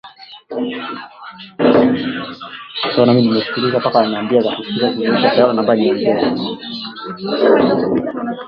Majimaji kutoka kwenye macho na pua